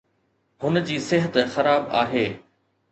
هن جي صحت خراب آهي